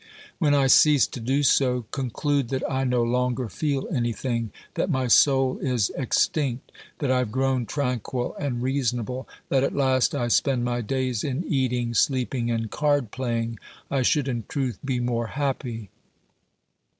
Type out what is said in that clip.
When I cease to do so, conclude that I no longer feel anything, that my soul is extinct, that I have grown tranquil and reasonable, that at last I spend my days in eating, sleeping and card playing. I should in truth be more happy